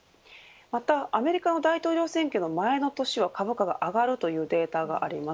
またアメリカの大統領選挙の前の年は株価が上がるというデータがあります。